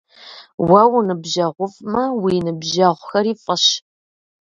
Уэ уныбжьэгъуфӀмэ, уи ныбжьэгъухэри фӀыщ.